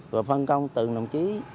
và phân công từ nồng chí